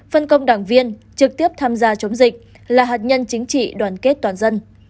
phân công đảng viên trực tiếp tham gia chống dịch là hạt nhân chính trị đoàn kết toàn dân